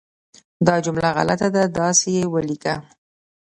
دا جمله غلطه ده، داسې یې ولیکه